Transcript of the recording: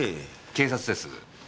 警察です。